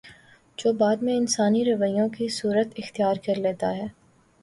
جو بعد میں انسانی رویوں کی صورت اختیار کر لیتا ہے